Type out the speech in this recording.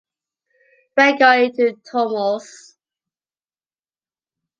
We are going to Tormos.